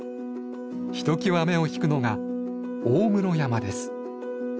ひときわ目を引くのが大室山です。